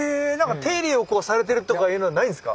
⁉手入れをされてるとかいうのはないんですか？